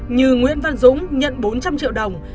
như nguyễn văn dũng nhận bốn trăm linh triệu đồng